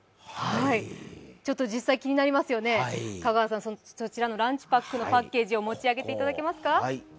ちょっと実際気になりますよね、香川さん、そちらのランチパックのパッケージを持ち上げていただきますか？